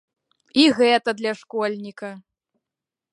І гэта для школьніка!